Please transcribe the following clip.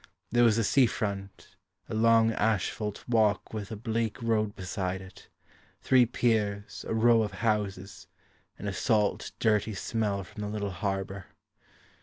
There was a sea front, A long asphalt walk with a bleak road beside it, Three piers, a row of houses, And a salt dirty smell from the little harbour.